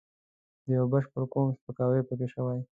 د یوه بشپړ قوم سپکاوی پکې شوی.